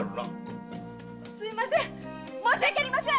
すみません申し訳ありません！